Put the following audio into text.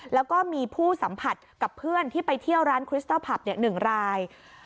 แล้วก็มีผู้สัมผัสกับเพื่อนที่ไปเที่ยวร้านคริสเตอร์ผับ๑ราย